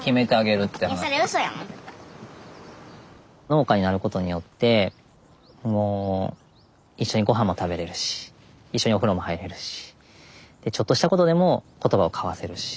農家になることによってもう一緒に御飯も食べれるし一緒にお風呂も入れるしちょっとしたことでも言葉を交わせるし。